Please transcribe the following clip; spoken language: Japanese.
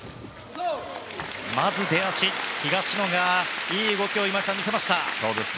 まず出足、東野がいい動きを今井さん、見せました。